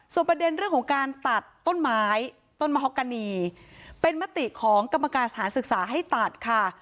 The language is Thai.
ประเด็นเรื่องของการตัดต้นไม้ต้นมหกรณีเป็นมติของกรรมการสถานศึกษาให้ตัดค่ะ